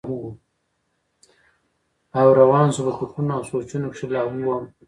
او روان شو پۀ فکرونو او سوچونو کښې لاهو وم